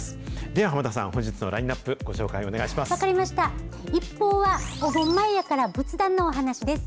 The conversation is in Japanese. では濱田さん、本日のラインナップ、ご紹介お願いします。